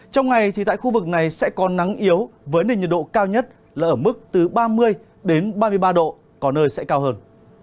trong ngày thì tại khu vực này sẽ có nắng yếu với nền nhiệt độ cao nhất là ở mức từ ba mươi đến ba mươi ba độ có nơi sẽ cao hơn